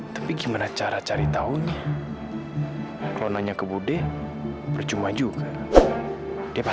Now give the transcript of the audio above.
sampai jumpa di video selanjutnya